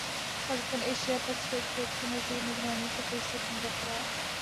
Pakistan Asia Pacific group کی مزید نگرانی کی فہرست میں برقرار